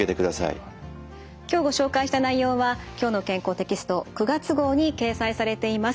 今日ご紹介した内容は「きょうの健康」テキスト９月号に掲載されています。